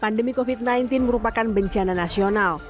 pandemi covid sembilan belas merupakan bencana nasional